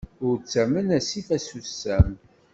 Ur ttamen asif asusam!